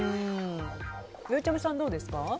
ゆうちゃみさん、どうですか？